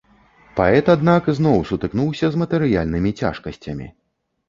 Паэт, аднак, зноў сутыкнуўся з матэрыяльнымі цяжкасцямі.